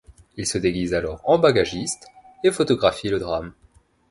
Il se déguise alors en bagagiste et photographie le drame.